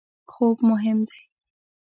خوب مهم دی